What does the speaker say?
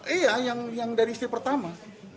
iya yang dari istri pertama